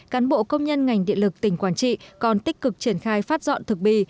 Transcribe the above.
cán bộ công nhân ngành điện lực tỉnh quảng trị còn tích cực triển khai phát dọn thực bì